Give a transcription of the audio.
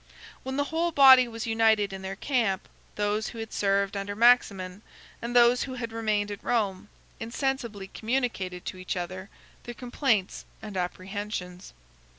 When the whole body was united in their camp, those who had served under Maximin, and those who had remained at Rome, insensibly communicated to each other their complaints and apprehensions.